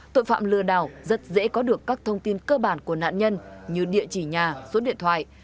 tội phạm lừa đảo rất dễ có được các thông tin cơ bản của nạn nhân như địa chỉ nhà số điện thoại